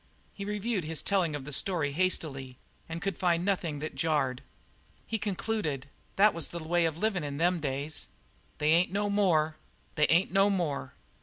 He reviewed his telling of the story hastily and could find nothing that jarred. He concluded: "That was the way of livin' in them days. They ain't no more they ain't no more!"